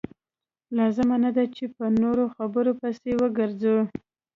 لازمه نه ده چې په نورو خبرو پسې وګرځئ.